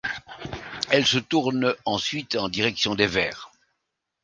Elle se tourne ensuite en direction des Verts.